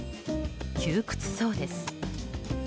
窮屈そうです。